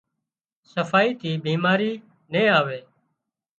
صفائي ٿي بيماري نين آووي